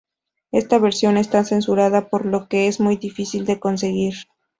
Esta versión está censurada por lo que es muy difícil de conseguir.